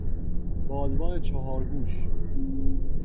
بادبان چهارگوش